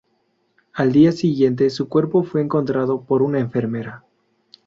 Al día siguiente su cuerpo fue encontrado por una enfermera.